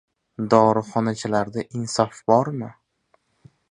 Dorixonachilarda insof bormi?